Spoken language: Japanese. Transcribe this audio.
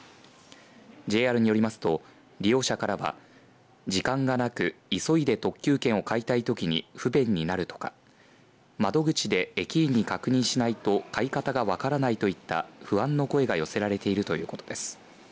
ＪＲによりますと、利用者からは時間がなく急いで特急券を買いたい時に不便になるとか窓口で駅員に確認しないと買い方が分からないといった不安の声が寄せられているということです。